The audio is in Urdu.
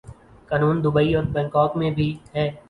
قانون دوبئی اور بنکاک میں بھی ہے۔